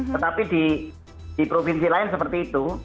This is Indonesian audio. tetapi di provinsi lain seperti itu